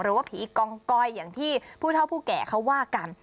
หรือว่าผีกองกอยอย่างที่ผู้เท่าผู้แก่เขาว่ากัน